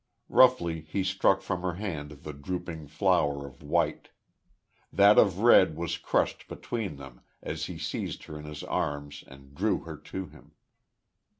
Roughly he struck from her hand the drooping flower of white. That of red was crushed between them as he seized her in his arms and drew her to him.